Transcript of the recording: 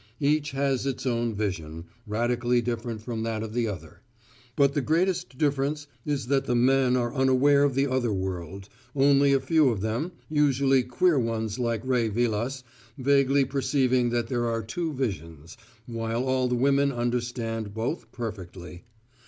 Each has its own vision, radically different from that of the other; but the greatest difference is that the men are unaware of the other world, only a few of them usually queer ones like Ray Vilas vaguely perceiving that there are two visions, while all the women understand both perfectly.